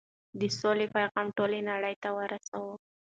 د سولې پيغام ټولې نړۍ ته ورسوئ.